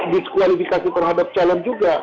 diskualifikasi terhadap calon juga